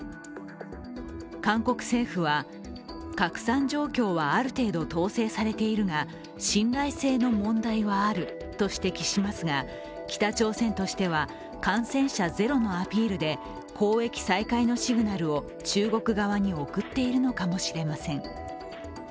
韓国政府は、拡散状況はある程度統制されているが、信頼性の問題はあると指摘しますが、北朝鮮としては感染者ゼロのアピールで交易再開のシグナルを中国側に送っているのかもしれません。